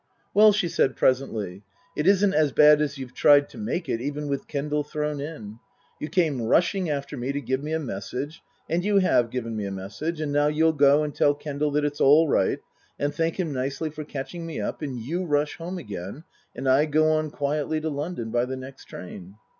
" Well," she said presently, " it isn't as bad as you've tried to make it, even with Kendal thrown in. You came rushing after me to give me a message, and you have given me a message, and now you'll go and tell Kendal that it's all right, and thank him nicely for catching me up, and you rush home again, and I go on quietly to London by the next train."